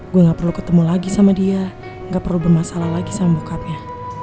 gue gak perlu ketemu lagi sama dia nggak perlu bermasalah lagi sama bokatnya